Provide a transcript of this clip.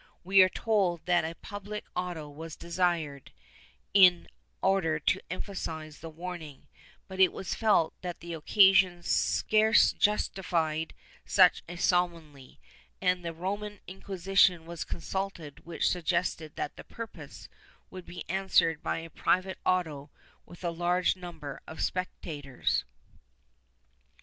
We are told that a public auto was desired, in order to emphasize the warning, but it was felt that the occasion scarce justified such a solemnity, and the Roman Inquisition was consulted which suggested that the purpose would be answered by a private auto with a large number of spectators.